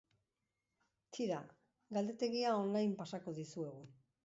Tira, galdetegia online pasako dizuegu.